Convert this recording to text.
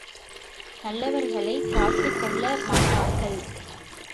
நல்லவர்களைக் காத்துக் கொள்ள மாட்டார்கள்!